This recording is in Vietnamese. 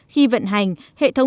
khi vận hành hệ thống